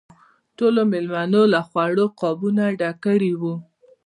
ټولو مېلمنو له خوړو قابونه ډک کړي وو.